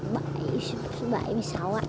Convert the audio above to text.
bảy số bảy số sáu ạ